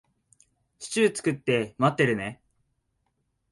シチュー作って待ってるね。